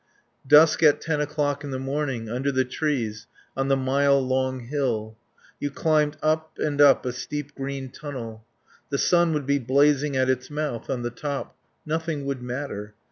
Dusk at ten o'clock in the morning under the trees on the mile long hill. You climbed up and up a steep green tunnel. The sun would be blazing at its mouth on the top. Nothing would matter.